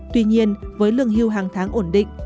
tuy nhiên với lương hưu hàng tháng ổn định